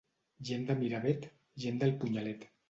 Gent de Miravet, gent del punyalet.